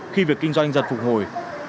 khi việc kinh doanh giật phục hồi